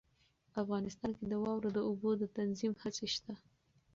افغانستان کې د واورو د اوبو د تنظیم هڅې شته.